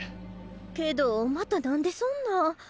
けどまた何でそんな。